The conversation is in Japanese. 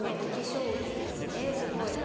将棋ですねすごい。